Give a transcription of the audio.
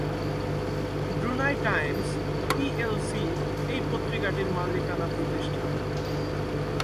Brunei Times PLC এই পত্রিকাটির মালিকানা প্রতিষ্ঠান।